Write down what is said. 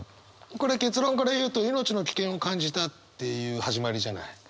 これ「結論から言うと、命の危険を感じた」っていう始まりじゃない。